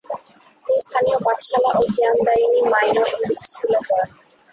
তিনি স্থানীয় পাঠশালা ও জ্ঞানদায়িনী মাইনর ইংরেজি স্কুলে পড়েন।